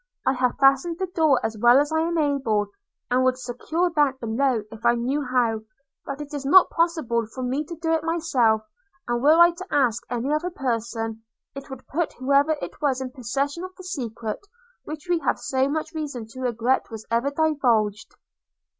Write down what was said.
I have fastened the door as well as I am able, and would secure that below if I knew how: but it is not possible for me to do it myself; and were I to ask any other person, it would put whoever it was in possession of the secret which we have so much reason to regret was ever divulged.